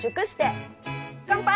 乾杯！